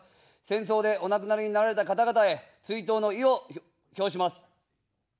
戦争でお亡くなりになられた方々へ追悼の意を表します。